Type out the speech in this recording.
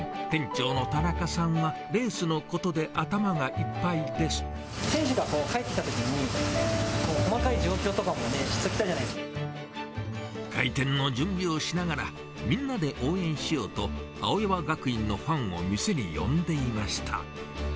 店長の田中さんはレースのことで選手が帰ってきたときに、細かい状況とかもね、開店の準備をしながら、みんなで応援しようと、青山学院のファンを店に呼んでいました。